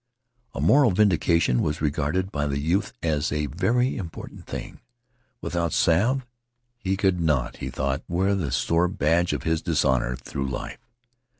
A moral vindication was regarded by the youth as a very important thing. Without salve, he could not, he thought, wear the sore badge of his dishonor through life.